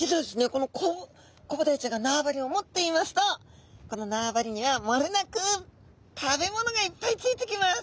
このコブダイちゃんが縄張りを持っていますとこの縄張りにはもれなく食べ物がいっぱいついてきます。